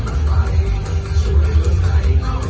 มันเป็นเมื่อไหร่แล้ว